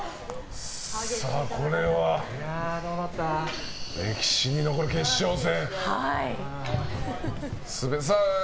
これは歴史に残る決勝戦。